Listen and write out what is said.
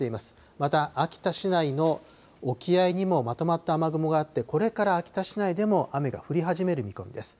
また、秋田市内の沖合にもまとまった雨雲があって、これから秋田市内でも雨が降り始める見込みです。